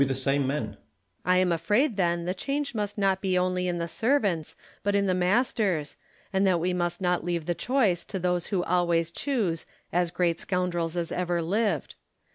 Lacy, I am afraid then the change must not be only in the servants, but in the masters, and that we must not leave the choice to those who always choose " as great scoundrels as ever lived."